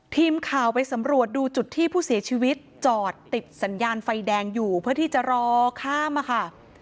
ทีมข่าวไปสำรวจดูจุดที่ผู้เสียชีวิตจอดติดสัญญาณไฟแดงอยู่เพื่อที่จะรอข้ามอะค่ะ